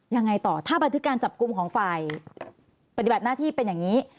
ยังไงต่อถ้าบันทึกการจับกลุ่มของฝ่ายปฏิบัติหน้าที่เป็นอย่างนี้